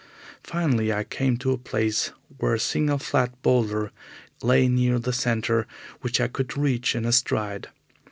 Finally, I came to a place where a single flat boulder lay near the centre, which I could reach in a stride.